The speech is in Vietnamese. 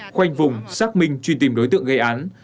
khoanh vùng xác minh truy tìm đối tượng gây án